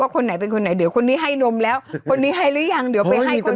คนไหนเป็นคนไหนเดี๋ยวคนนี้ให้นมแล้วคนนี้ให้หรือยังเดี๋ยวไปให้คน